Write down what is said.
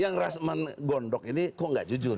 yang rasman gondok ini kok nggak jujur